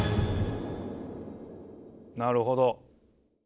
なるほど。